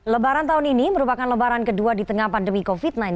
lebaran tahun ini merupakan lebaran kedua di tengah pandemi covid sembilan belas